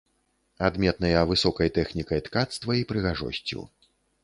Адметныя высокай тэхнікай ткацтва і прыгажосцю.